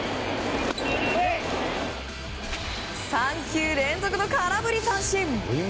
３球連続の空振り三振。